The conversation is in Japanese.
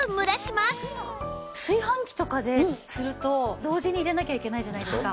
炊飯器とかですると同時に入れなきゃいけないじゃないですか。